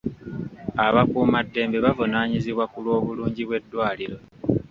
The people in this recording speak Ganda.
Abakuumaddembe bavunaanyizibwa ku lw'obulungi bw'eddwaliro.